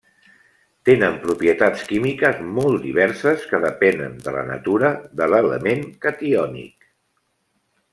Tenen propietats químiques molt diverses que depenen de la natura de l'element catiònic.